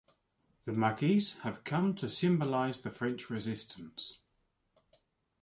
The Maquis have come to symbolize the French Resistance.